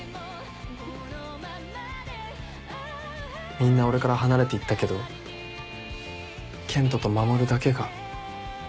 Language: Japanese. みんな俺から離れていったけど健人と守だけが一緒にいてくれた。